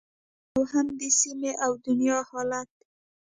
او هم د سیمې او دنیا حالت